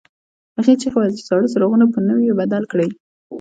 هغه چیغې وهلې چې زاړه څراغونه په نویو بدل کړئ.